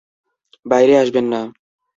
বাইরে আসবেন না!